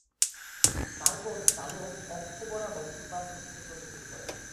তারপর চালক অক্ষ বরাবর ইতিবাচক দিকে চলতে শুরু করে।